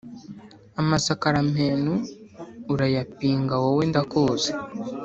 amasakaramentu urayapinga wowe ndakuzi